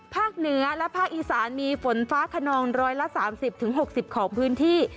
เหนือและภาคอีสานมีฝนฟ้าขนอง๑๓๐๖๐ของพื้นที่